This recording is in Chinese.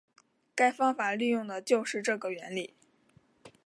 该方法利用的就是这个原理。